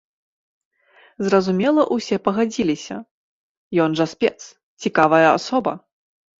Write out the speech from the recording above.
Зразумела, усе пагадзіліся, ён жа спец, цікавая асоба!